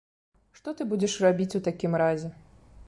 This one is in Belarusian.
Што ты будзеш рабіць у такім разе?